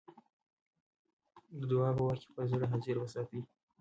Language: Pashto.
د دعا په وخت کې خپل زړه حاضر وساتئ.